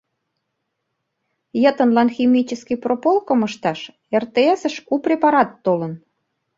Йытынлан химический прополкым ышташ РТС-ыш у препарат толын.